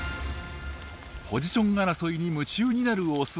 ポジション争いに夢中になるオス。